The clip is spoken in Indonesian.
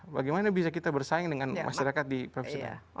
bagaimana bisa kita bersaing dengan masyarakat di presiden